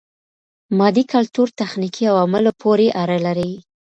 مادي کلتور تخنیکي عواملو پوري اړه لري.